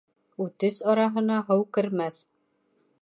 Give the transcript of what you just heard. Үтес араһына һыу кермәҫ.